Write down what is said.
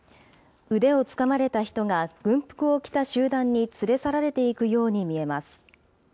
腕をつかまれた人が軍服を着た集団に連れ去られていくように見えます。